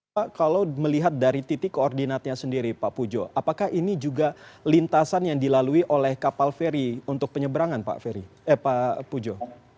pak kalau melihat dari titik koordinatnya sendiri pak pujo apakah ini juga lintasan yang dilalui oleh kapal feri untuk penyeberangan pak ferry pak pujo